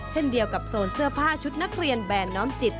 เช่นเดียวกับโซนเสื้อผ้าชุดนักเรียนแบนน้อมจิต